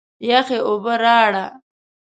یخي اوبه راړه!